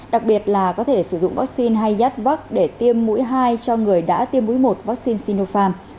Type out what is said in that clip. đặc biệt là có thể sử dụng vaccine hay yatvax để tiêm mũi hai cho người đã tiêm mũi một vaccine sinopharm